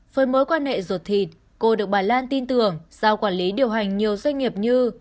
với mối quan hệ ruột thịt cô được bà lan tin tưởng giao quản lý điều hành nhiều doanh nghiệp như